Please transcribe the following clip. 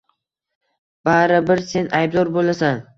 Baribir sen aybdor bo‘lasan.